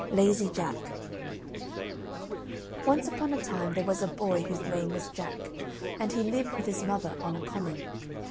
LAZY JACK Once upon a time there was a boy whose name was Jack, and he lived with his mother on a common.